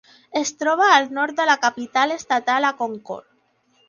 Es troba al nord de la capital estatal a Concord.